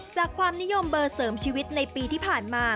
ความนิยมเบอร์เสริมชีวิตในปีที่ผ่านมา